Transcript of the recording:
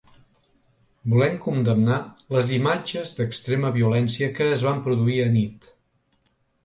Volem condemnar les imatges d’extrema violència que es van produir anit.